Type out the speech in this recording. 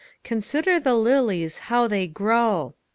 " Consider the lilies how they grow."